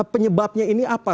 penyebabnya ini apa